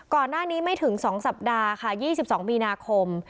ก่อนหน้านี้ไม่ถึง๒สัปดาห์ค่ะ๒๒มีนาคม